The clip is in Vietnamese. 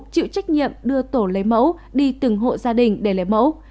chịu trách nhiệm đưa tổ lấy mẫu đi từng hộ gia đình để lấy mẫu